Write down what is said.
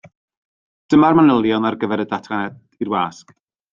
Dyma'r manylion ar gyfer y datganiad i'r wasg.